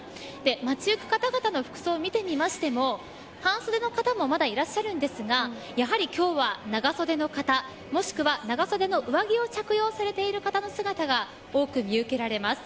街ゆく方々の服装を見てみましても半袖の方もまだいらっしゃるんですがやはり今日は長袖の方もしくは長袖の上着を着用されている方の姿が多く見受けられます。